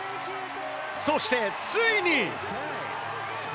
そしてついに。